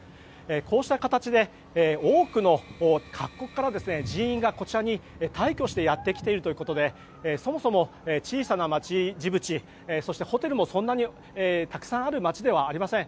こうした形で多くの各国から人員が人員が、こちらに大挙してやってきているということでそもそも小さな町、ジブチホテルもそんなにたくさんある町ではありません。